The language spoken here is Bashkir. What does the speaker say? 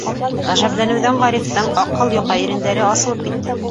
Ғәжәпләнеүҙән Ғарифтың аҡһыл йоҡа ирендәре асылып китте.